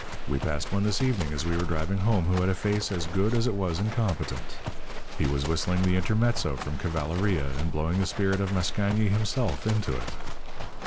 We passed one this evening as we were driving home who had a face as good as it was incompetent. He was whistling the intermezzo from 'Cavalleria' and blowing the spirit of Mascagni himself into it."